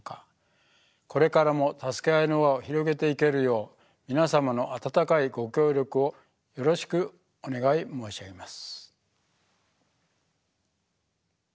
これからもたすけあいの輪を広げていけるよう皆さまのあたたかいご協力をよろしくお願い申し上げます。